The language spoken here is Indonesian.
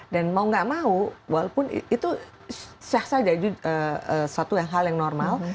dan mau gak mau walaupun itu sah saja itu suatu hal yang normal